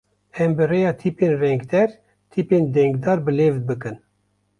Em bi rêya tîpên dengdêr, tîpên dengdar bi lêv bikin.